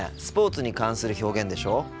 スポーツに関する表現でしょ